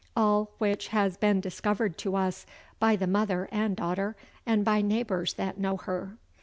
All which has been discovered to us by the mother and daughter, and by neighbours that know her.